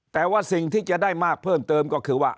แต่ว่าสิ่งที่จะได้มากเพิ่มเติมก็คือว่า